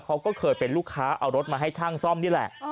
เขาก็เคยเป็นลูกค้าเอารถมาให้ช่างซ่อมนี่แหละ